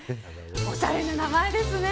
おしゃれな名前ですね。